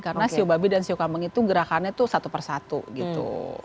karena shou babi dan shou kambing itu gerakannya tuh satu persatu gitu